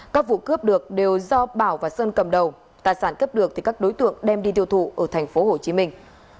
các vụ cướp được đều do bảo và sơn cầm đầu tài sản cướp được thì các đối tượng đem đi tiêu thụ ở thành phố hồ chí minh